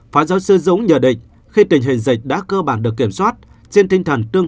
phó giáo sư dũng nhận định khi tình hình dịch đã cơ bản được kiểm soát trên tinh thần tương